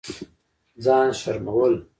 ځان شرمول